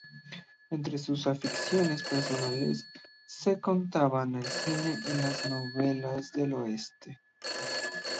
Entre sus aficiones personales se contaban el cine y las novelas del Oeste.